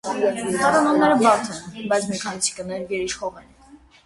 Տատանումները բարդ են, բայց մի քանի ցիկլներ գերիշխող են։